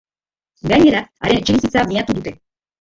Gainera, haren etxebizitza miatu dute.